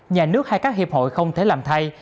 nhà nước hay các hiệp hội không thể làm thay